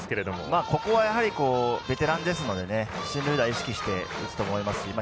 ここは、ベテランですので進塁打意識して打つと思います。